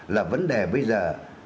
là vấn đề bây giờ